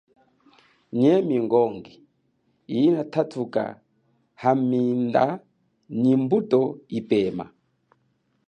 Ye mingongi iyi tatuka haminde ni mbuto yipema.